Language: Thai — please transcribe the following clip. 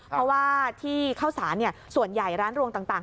เพราะว่าที่เข้าสารส่วนใหญ่ร้านรวงต่าง